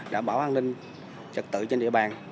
đảm bảo an ninh trật tự trên địa bàn